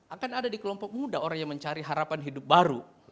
akan ada di kelompok muda orang yang mencari harapan hidup baru